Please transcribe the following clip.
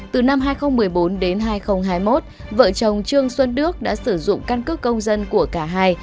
từ năm hai nghìn một mươi bốn đến hai nghìn hai mươi một vợ chồng trương xuân đức đã sử dụng căn cước công dân của cả hai